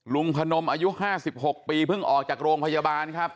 พนมอายุ๕๖ปีเพิ่งออกจากโรงพยาบาลครับ